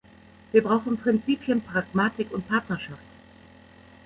Wir brauchen Prinzipien, Pragmatik und Partnerschaft.